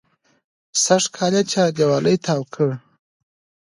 سږکال یې چاردېواله تاو کړه.